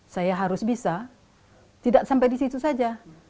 saya harus bisa tidak sampai di situ saja